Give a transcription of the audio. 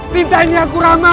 sinta ini aku rama